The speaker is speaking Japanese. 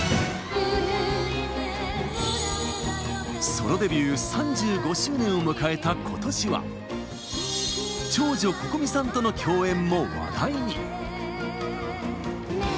ソロデビュー３５周年を迎えた今年は長女Ｃｏｃｏｍｉさんとの共演も話題に。